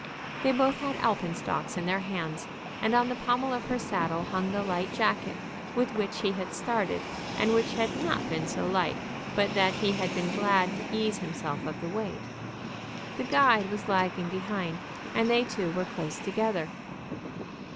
They both had alpenstocks in their hands, and on the pommel of her saddle hung the light jacket with which he had started, and which had not been so light but that he had been glad to ease himself of the weight. The guide was lagging behind, and they two were close together.